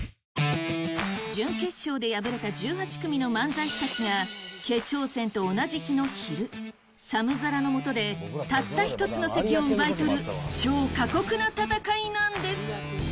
準決勝で敗れた１８組の漫才師たちが決勝戦と同じ日の昼寒空の下で、たった１つの席を奪い取る超過酷な戦いなんです！